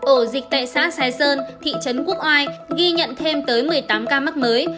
ổ dịch tại xã sài sơn thị trấn quốc oai ghi nhận thêm tới một mươi tám ca mắc mới